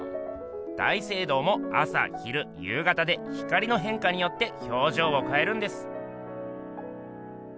大聖堂も朝昼夕方で光のへんかによってひょうじょうをかえるんです。